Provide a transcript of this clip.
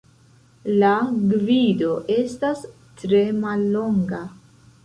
La gvido estas tre mallonga.